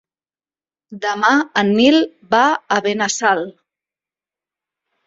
Demà en Nil va a Benassal.